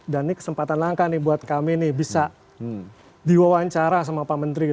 dan ini kesempatan langka buat kami bisa diwawancara sama pak menteri